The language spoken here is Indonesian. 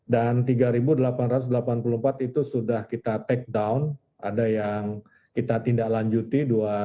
dan tiga delapan ratus delapan puluh empat itu sudah kita take down ada yang kita tidak lanjuti dua ratus empat puluh dua